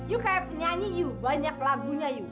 ibu kayak penyanyi ibu banyak lagunya ibu